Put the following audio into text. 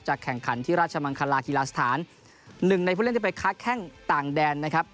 แข่งขันที่ราชมังคลากีฬาสถานหนึ่งในผู้เล่นที่ไปค้าแข้งต่างแดนนะครับ